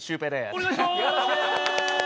お願いしまーす！